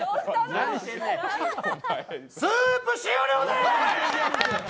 スープ終了です！